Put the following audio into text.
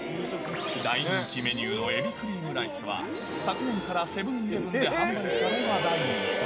大人気メニューのエビクリームライスは、昨年からセブンーイレブンで販売され話題に。